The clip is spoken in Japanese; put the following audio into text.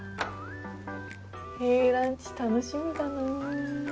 Ａランチ楽しみだなぁ。